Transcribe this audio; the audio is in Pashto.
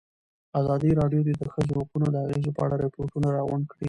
ازادي راډیو د د ښځو حقونه د اغېزو په اړه ریپوټونه راغونډ کړي.